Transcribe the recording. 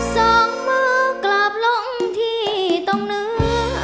สองมือกลับลงที่ตรงเนื้อ